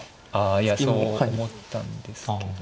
ああいやそう思ったんですけど。